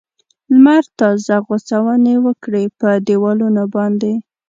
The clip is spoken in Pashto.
لمر تازه غځونې وکړې په دېوالونو باندې.